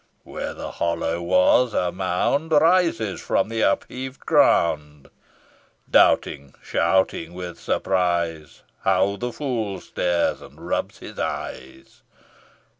Where the hollow was, a mound Rises from the upheaved ground. Doubting, shouting with surprise, How the fool stares, and rubs his eyes!